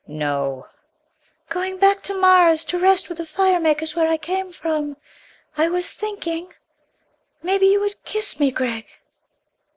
"No!" "Going back to Mars to rest with the fire makers where I came from. I was thinking maybe you would kiss me, Gregg?"